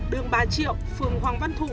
đường ba triệu phường hoàng văn thụ